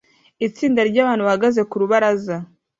Itsinda ryabantu bahagaze ku rubaraza